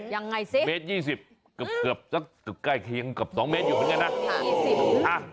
ยังไงสิเมตร๒๐เกือบสักใกล้๒เมตรอยู่เหมือนกันนะอ่า